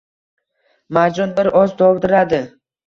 Marjon bir oz dovdiradi